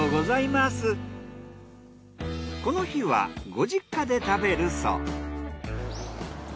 この日はご実家で食べるそう。